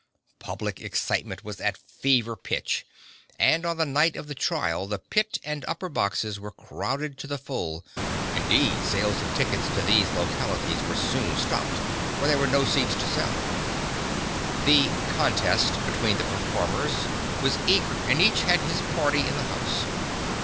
Public excitement was at fever heat, and on the night of the trial the pit and upper boxes were crowded to the full; indeed sales of tickets to these localities were soon stopped, for there were no seats to sell. The "contest" between the performers, was eager and each had his party in the house.